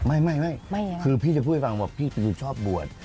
ไม่คือพี่จะพูดให้ฟังว่าพี่เป็นคนชอบบวช